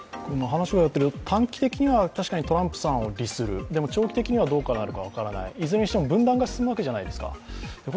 短期的には確かにトランプさんを利するでも長期的にどうなるか分からない、いずれにしても分断が広がるわけじゃないですか。